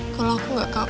kalo aku gak kalah